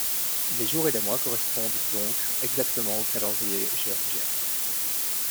Les jours et les mois correspondent donc exactement au calendrier grégorien.